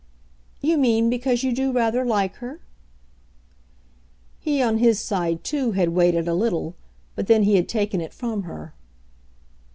"You mean because you do rather like her?" He on his side too had waited a little, but then he had taken it from her.